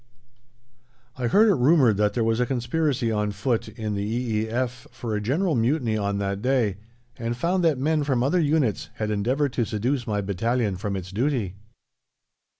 I heard it rumoured that there was a conspiracy on foot in the E.E.F. for a general mutiny on that day, and found that men from other units had endeavoured to seduce my battalion from its duty.